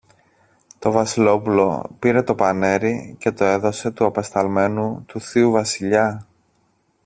Το Βασιλόπουλο πήρε το πανέρι και το έδωσε του απεσταλμένου του θείου Βασιλιά.